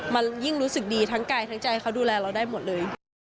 มันยิ่งรู้สึกดีทั้งกายทั้งใจเขาดูแลเราได้หมดเลย